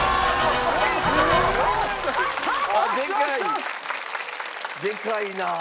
あっでかいでかいなあ。